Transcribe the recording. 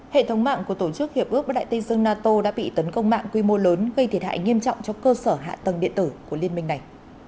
hệ thống mạng của tổ chức hiệp ước bắc đại tây dương nato đã bị tấn công mạng quy mô lớn gây thiệt hại nghiêm trọng cho cơ sở hạ tầng điện tử của liên minh này